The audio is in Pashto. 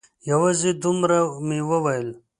یوازې دومره مې وویل.